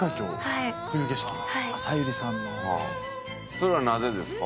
それはなぜですか？